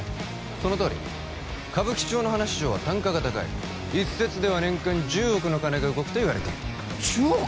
そのとおり歌舞伎町の花市場は単価が高い一説では年間１０億の金が動くといわれている１０億！？